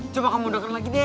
coba kamu mundurkan lagi deh